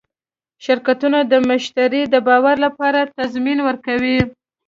شرکتونه د مشتری د باور لپاره تضمین ورکوي.